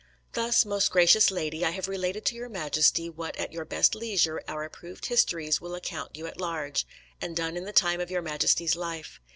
Thus, most gracious lady, I have related to Your Majesty what at your best leisure our approved histories will account you at large, and done in the time of Your Majesty's life.